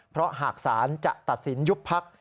เพราะหากศาลจะตัดสินยุบพัก